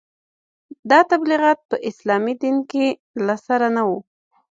دا تبلیغات په اسلامي دین کې له سره نه وو.